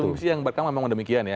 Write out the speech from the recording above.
asumsi yang berkata memang demikian ya